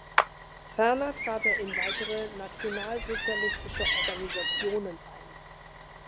Ferner trat er in weitere nationalsozialistische Organisationen ein.